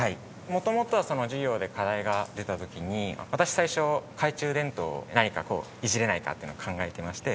元々は授業で課題が出た時に私最初懐中電灯を何かこういじれないかっていうのを考えてまして。